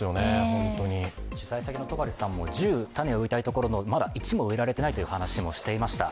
取材先の戸張さんも１０、種を植えたいところ、まだ１も植えられてないという話もしていました。